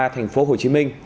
thành phố hồ chí minh